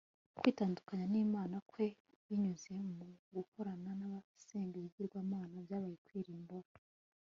kwitandukanya n'imana kwe binyuze mu gukorana n'abasenga ibigirwamana byabaye kwirimbura